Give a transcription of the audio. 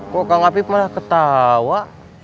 kok kamu ngapain malah ketawa